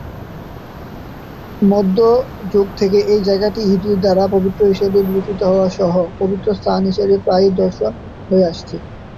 মধ্যযুগ থেকে এই জায়গাটি ইহুদিদের দ্বারা পবিত্র হিসেবে বিবেচিত হওয়া সহ পবিত্র স্থান হিসেবে প্রায়ই দর্শন হয়ে আসছে।